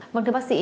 vâng thưa bác sĩ